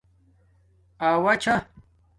اݸا چھا